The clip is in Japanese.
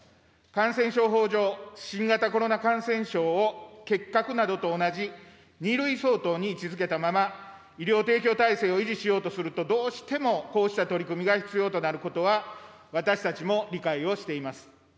感染症法上、新型コロナ感染症を結核などと同じ２類相当に位置づけたまま医療提供体制を維持しようとすると、どうしても、こうした取り組みが必要となることは私たちも理解をしています。